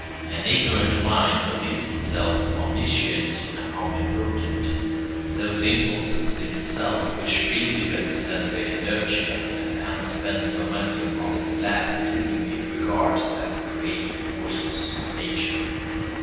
An ignorant mind believes itself omniscient and omnipotent; those impulses in itself which really represent the inertia and unspent momentum of its last dream it regards as the creative forces of nature.